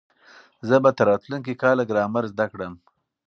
زه به تر راتلونکي کاله ګرامر زده کړم.